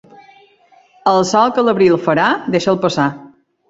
El sol que a l'abril farà, deixa'l passar.